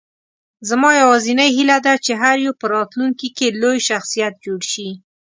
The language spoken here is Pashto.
زما یوازینۍ هیله ده، چې هر یو په راتلونکې کې لوی شخصیت جوړ شي.